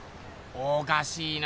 おかしいな。